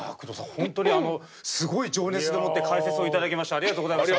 本当にすごい情熱でもって解説を頂きましてありがとうございました。